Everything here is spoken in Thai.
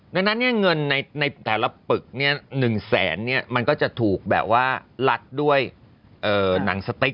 ดังนั้นเงินในแต่ละปึก๑แสนมันก็จะถูกแบบว่าลัดด้วยหนังสติ๊ก